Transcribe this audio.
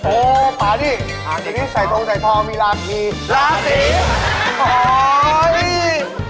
โอ้ป๊าดิใส่โทงใส่ทองมีราคีราคาศี